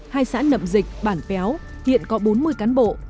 hai xã nậm dịch bản péo hiện có bốn mươi cán bộ